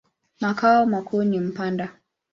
Makao makuu ni Mpanda.